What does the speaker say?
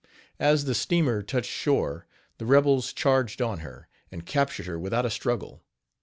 As the steamer touched shore, the rebels charged on her, and captured her without a struggle.